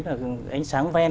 là ánh sáng ven